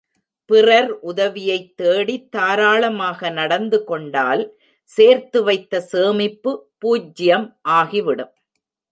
பிறர் உதவியைத் தேடித் தாராளமாக நடந்துகொண்டால் சேர்த்துவைத்த சேமிப்பு பூஜ்யம் ஆகிவிடும்.